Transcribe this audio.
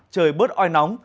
trời bớt oi nóng